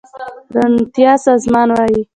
روڼتيا سازمان وايي